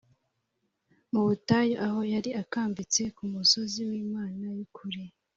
mu butayu aho yari akambitse ku musozi w imana y ukuri